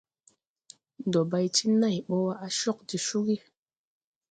Ndo bay ti nãy bɔ wa, a cog de cugi.